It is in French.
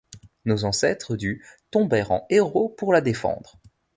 Nos ancêtres du tombèrent en héros pour la défendre.